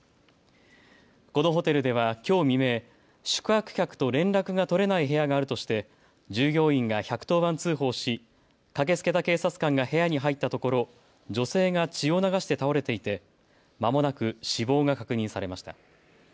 このホテルではきょう未明、宿泊客と連絡が取れない部屋があるとして従業員が１１０番通報し駆けつけた警察官が部屋に入ったところ女性が血を流して倒れていてまもなく死亡が確認されました。